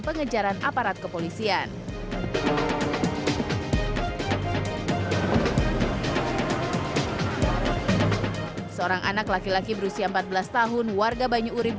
pengejaran aparat kepolisian seorang anak laki laki berusia empat belas tahun warga banyu urib